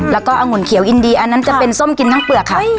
แล้วก็องุ่นเขียวอินดีอันนั้นจะเป็นส้มกินทั้งเปลือกค่ะ